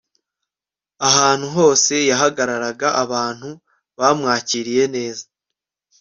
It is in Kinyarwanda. Ahantu hose yahagararaga abantu bamwakiriye neza